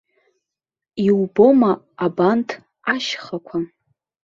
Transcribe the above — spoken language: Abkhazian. Иубома абанҭ ашьхақәа?